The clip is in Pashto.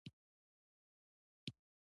نورستان د افغانانو ژوند اغېزمن کوي.